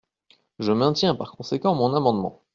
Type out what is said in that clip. Je maintiens par conséquent mon amendement.